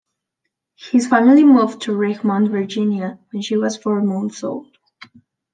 His family moved to Richmond, Virginia, when he was four months old.